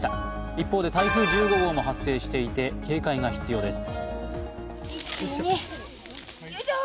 一方で台風１５号も発生していて警戒が必要です。